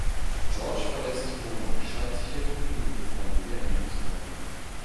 George verlässt die Wohnung, scheint sich jedoch für die Familie ändern zu wollen.